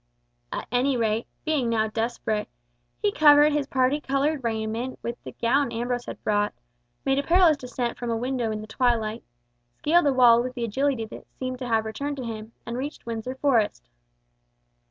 At any rate, being now desperate, he covered his parti coloured raiment with the gown Ambrose had brought, made a perilous descent from a window in the twilight, scaled a wall with the agility that seemed to have returned to him, and reached Windsor Forest.